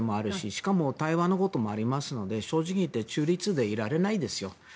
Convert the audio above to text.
しかも台湾のこともありますので正直に言って中立でいられないですよ。